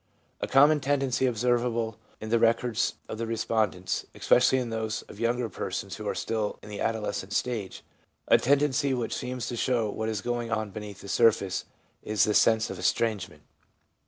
A common tendency observable in the records of the respondents, especially in those of younger persons who are still in the adolescent stage — a tendency which seems to show what is going on beneath the surface — is the sense of estrangement.